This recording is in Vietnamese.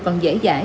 còn dễ dãi